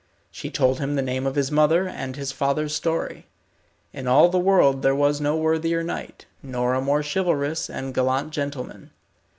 She told him the name of his mother, and his father's story. In all the world there was no worthier knight, nor a more chivalrous and gallant gentleman.